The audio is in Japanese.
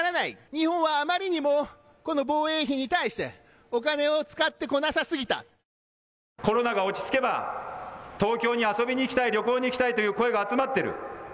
日本はあまりにもこの防衛費に対してコロナが落ち着けば東京に遊びに行きたい、旅行に行きたいという声が集まってる。